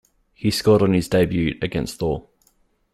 He scored on his debut against Thor.